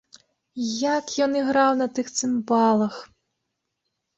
Як ён іграў на тых цымбалах!